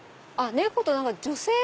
猫と女性。